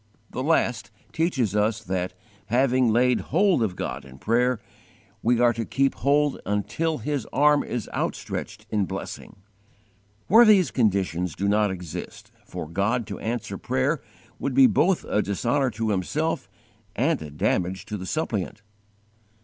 The last teaches us that, having laid hold of God in prayer, we are to keep hold until His arm is outstretched in blessing. Where these conditions do not exist, for God to answer prayer would be both a dishonour to Himself and a damage to the suppliant.